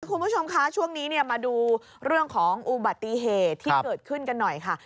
คุณผู้ชมคะช่วงนี้มาดูเรื่องของอุบัติเหตุที่เกิดขึ้นกันหน่อยค่ะ